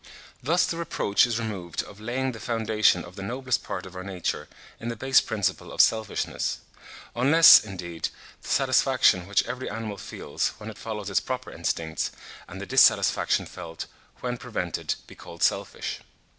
Thus the reproach is removed of laying the foundation of the noblest part of our nature in the base principle of selfishness; unless, indeed, the satisfaction which every animal feels, when it follows its proper instincts, and the dissatisfaction felt when prevented, be called selfish.